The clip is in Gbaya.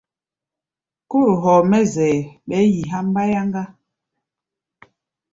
Kóro hɔɔ mɛ́ zɛʼɛ, ɓɛɛ́ yi há̧ mbáyáŋá.